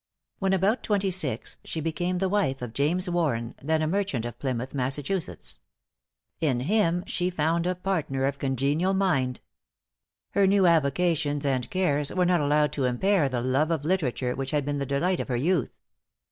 When about twenty six, she became the wife of James Warren, then a merchant of Plymouth, Massachusetts. In him she found a partner of congenial mind. Her new avocations and cares were not allowed to impair the love of literature which had been the delight of her youth.